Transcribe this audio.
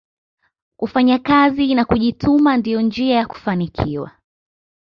kufanya kazi na kujituma ndiyo njia ya kufanikiwa